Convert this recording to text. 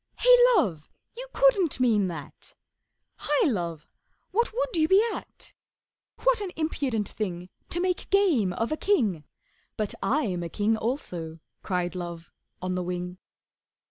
'Hey, Love, you couldn't mean that! Hi, Love, what would you be at? What an impudent thing To make game of a king!' 'But I'm a king also,' cried Love on the wing.